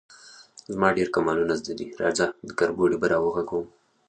_زما ډېر کمالونه زده دي، راځه، دا کربوړی به راوغږوم.